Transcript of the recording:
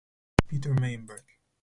Peter Meienberg.